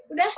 udah oke ya